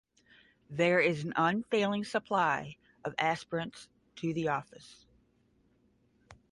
There is an unfailing supply of aspirants to the office.